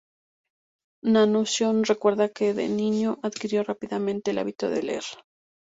Nasution recuerda que, de niño, adquirió rápidamente el hábito de leer.